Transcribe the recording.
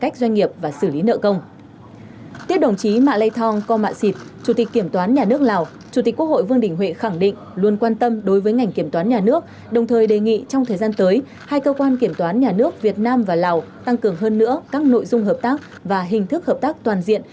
các cơ quan kiểm toán nhà nước việt nam và lào tăng cường hơn nữa các nội dung hợp tác và hình thức hợp tác toàn diện